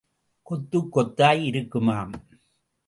கொத்துக் கொத்தாய் இருக்குமாம்.